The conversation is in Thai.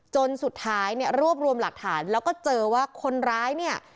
จนสุดท้ายเนี่ยรวบรวมหลักฐานแล้วก็เจอว่าคนร้ายเนี่ย